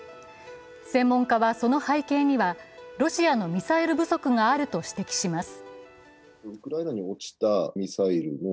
専門家は、その背景にはロシアのミサイル不足があると指摘します。